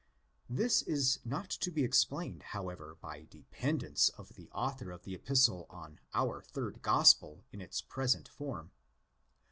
This is not to be explained, however, by dependence of the author of the Epistle on our third Gospel in its present form.